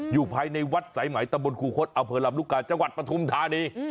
อยู่ภายในวัดสายใหม่ตะบลคูคสอเผินลำลูกกาจังหวัดปทุมทานี